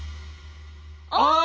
ああ！